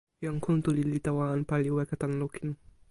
jan Kuntuli li tawa anpa, li weka tan lukin.